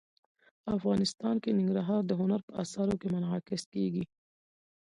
افغانستان کې ننګرهار د هنر په اثار کې منعکس کېږي.